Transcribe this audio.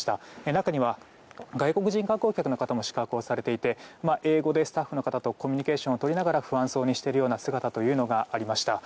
中には外国人観光客の方も宿泊をされていて英語でスタッフの方とコミュニケーションをとりながら不安そうにしている姿もありました。